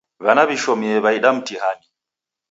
W'ana w'ishomie w'aida mtihani.